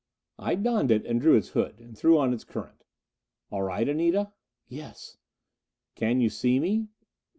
I donned it, and drew its hood, and threw on its current. "All right, Anita?" "Yes." "Can you see me?"